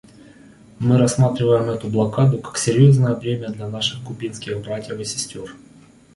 Мы рассматриваем эту блокаду как серьезное бремя для наших кубинских братьев и сестер.